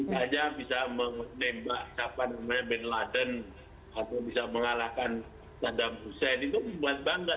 bisa aja bisa menembak siapa namanya bin laden atau bisa mengalahkan saddam hussein itu membuat bangga